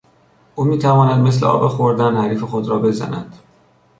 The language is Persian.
او میتواند مثل آب خوردن حریف خود را بزند.